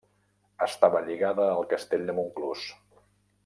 Estava lligada al Castell de Montclús.